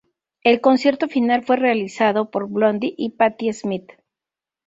El concierto final fue realizado por Blondie y Patti Smith.